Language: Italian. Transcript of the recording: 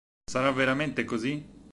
Sarà veramente così?